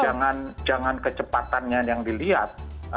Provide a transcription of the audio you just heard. jadi jangan kecepatannya yang dilihat